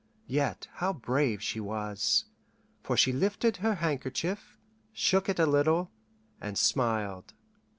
Yet how brave she was, for she lifted her handkerchief, shook it a little, and smiled.